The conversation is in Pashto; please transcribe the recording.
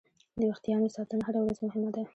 د وېښتیانو ساتنه هره ورځ مهمه ده.